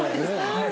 はい。